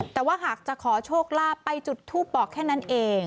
แต่ว่าหากจะขอโชคลาภไปจุดทูปบอกแค่นั้นเอง